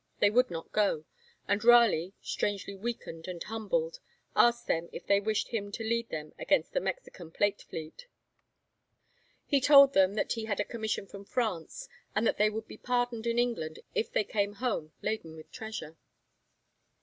They would not go; and Raleigh, strangely weakened and humbled, asked them if they wished him to lead them against the Mexican plate fleet. He told them that he had a commission from France, and that they would be pardoned in England if they came home laden with treasure.